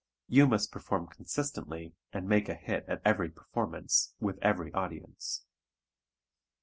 You must perform consistently and "make a hit" at every performance, with every audience.